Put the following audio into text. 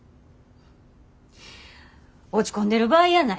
落ち込んでる場合やないで。